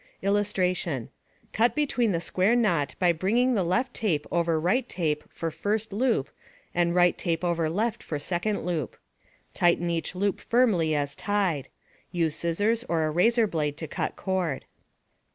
[Illustration: Cut between the square knot by bringing the left tape over right tape for first loop and right tape over left for second loop. Tighten each loop firmly as tied. Use scissors or a razor blade to cut cord.